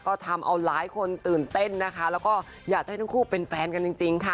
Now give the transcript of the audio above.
ก็ทำเอาหลายคนตื่นเต้นนะคะแล้วก็อยากให้ทั้งคู่เป็นแฟนกันจริงค่ะ